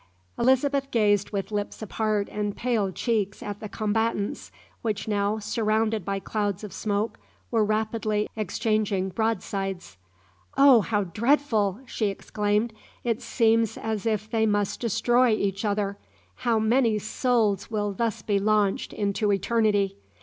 Elizabeth gazed with lips apart and pale cheeks at the combatants, which now, surrounded by clouds of smoke, were rapidly exchanging broadsides. "Oh, how dreadful!" she exclaimed. "It seems as if they must destroy each other. How many souls will thus be launched into eternity!